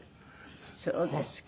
そうですか。